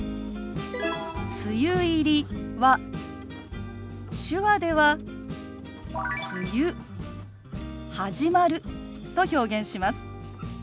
「梅雨入り」は手話では「梅雨始まる」と表現します。